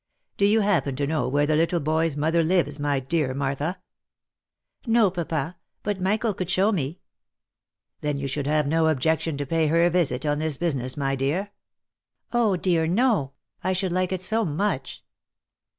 Do you happen to know where the little boy's mother lives, my dear Martha?" " No, papa — but Michael could show me." " Then you should have no objection to pay her a visit on this busi ness, my dear ?"" Oh ! dear no ! I should like it so much